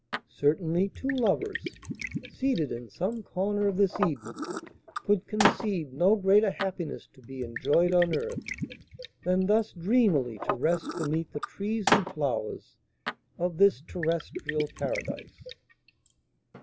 Certainly two lovers, seated in some corner of this Eden, could conceive no greater happiness to be enjoyed on earth, than thus dreamily to rest beneath the trees and flowers of this terrestrial paradise.